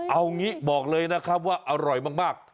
เอางี้บอกเลยนะครับว่าอร่อยมาก